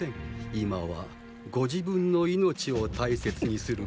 今はご自分の命を大切にするべきでは？